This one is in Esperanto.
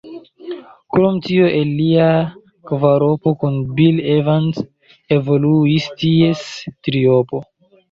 Krom tio el lia kvaropo kun Bill Evans evoluis ties triopo.